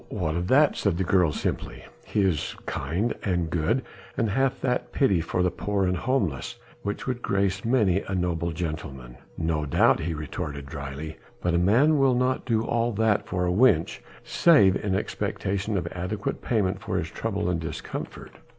What of that?" said the girl simply. "He is kind and good, and hath that pity for the poor and homeless which would grace many a noble gentleman." "No doubt," he retorted dryly, "but a man will not do all that for a wench, save in expectation of adequate payment for his trouble and discomfort."